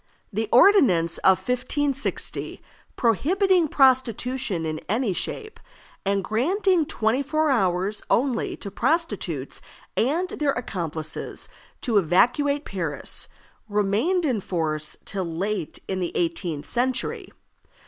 The ordinance of 1560, prohibiting prostitution in any shape, and granting twenty four hours only to prostitutes and their accomplices to evacuate Paris, remained in force till late in the eighteenth century.